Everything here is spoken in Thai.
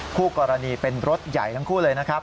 คู่กรณีเป็นรถใหญ่ทั้งคู่เลยนะครับ